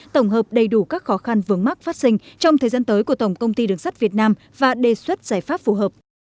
tổng hợp đầy đủ các khó khăn vướng mắc phát sinh trong thời gian tới của tổng công ty đường sắt việt nam và đề xuất giải pháp phù hợp